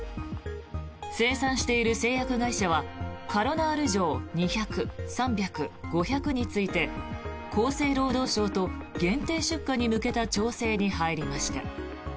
生産している製薬会社はカロナール錠２００、３００、５００について厚生労働省と限定出荷に向けた調整に入りました。